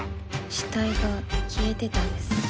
死体が消えてたんです。